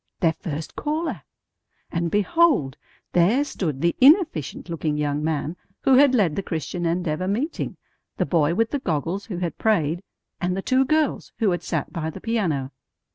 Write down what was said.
Their first caller! And behold, there stood the inefficient looking young man who had led the Christian Endeavor meeting, the boy with the goggles who had prayed, and the two girls who had sat by the piano.